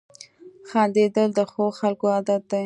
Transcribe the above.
• خندېدل د ښو خلکو عادت دی.